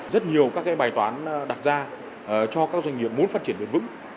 rất nhiều các bài toán đặt ra cho các doanh nghiệp muốn phát triển bền vững